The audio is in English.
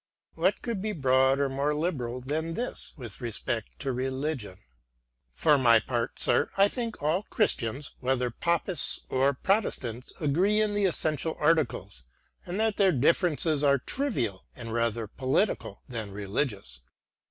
What could be broader or more liberal than this — ^with respect to religion :" For my part, sir, I think all Christians, whether Papists or * Boswell's " Life of Johnson." f Ibid. 40 SAMUEL JOHNSON Protestants, agree in the essential articles, and that their differ ences are trivial and rather political than religious."